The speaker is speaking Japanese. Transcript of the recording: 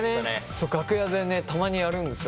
そう楽屋でねたまにやるんですよ。